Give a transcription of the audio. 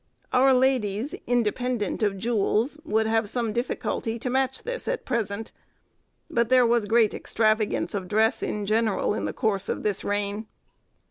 Our ladies (independent of jewels) would have some difficulty to match this at present; but there was great extravagance of dress, in general, in the course of this reign.